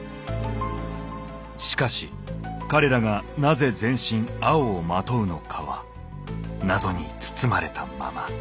しかし彼らがなぜ全身青を纏うのかは謎に包まれたまま。